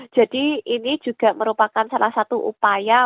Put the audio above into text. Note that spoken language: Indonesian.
jadi ini juga merupakan salah satu upaya